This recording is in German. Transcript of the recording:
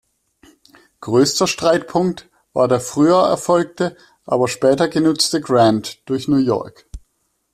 Größter Streitpunkt war der früher erfolgte, aber später genutzte Grant durch New York.